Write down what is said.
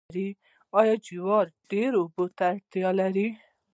آیا جوار ډیرو اوبو ته اړتیا لري؟